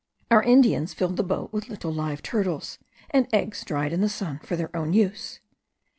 Our Indians filled the boat with little live turtles, and eggs dried in the sun, for their own use.